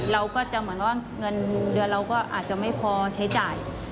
เราก็จะเหมือนว่าเงินเดือนเราก็อาจจะไม่พอใช้จ่าย